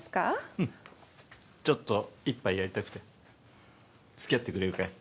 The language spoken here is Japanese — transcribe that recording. うんちょっと一杯やりたくて付き合ってくれるかい？